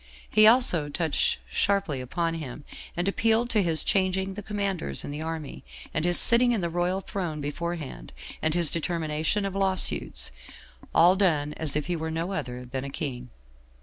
He also touched sharply upon him, and appealed to his changing the commanders in the army, and his sitting in the royal throne beforehand, and his determination of law suits; all done as if he were no other than a king.